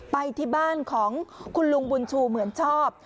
ไปที่บ้านของคุณลุงบุญชูเหมือนชอบ